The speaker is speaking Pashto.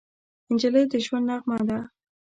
نجلۍ د ژوند نغمه ده.